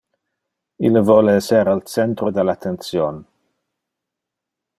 Ille voler esser al centro del attention.